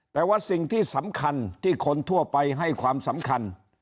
แต่ว่าสิ่งที่สำคัญที่คนทั่วไปให้ความสำคัญ